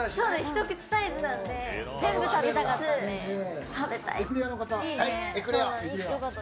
一口サイズなんで全部食べたい。